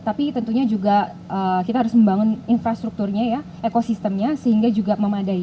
tapi tentunya juga kita harus membangun infrastrukturnya ya ekosistemnya sehingga juga memadai